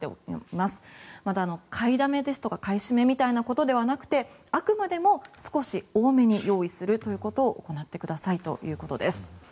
また買いだめですとか買い占めみたいなことではなくあくまでも少し多めに用意するということを行ってくださいということです。